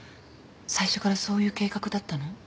最初からそういう計画だったの？